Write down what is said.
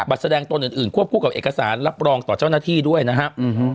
แสดงตนอื่นควบคู่กับเอกสารรับรองต่อเจ้าหน้าที่ด้วยนะครับ